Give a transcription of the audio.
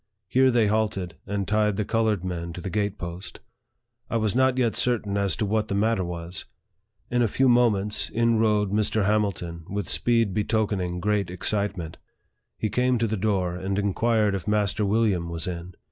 Here they halted, and tied the colored men to the gate post. I was not yet certain as to what the matter was. In a few moments, in rode Mr. Hamilton, w.th a speed betokening great excitement. He came to the door, and inquired if Master William was in.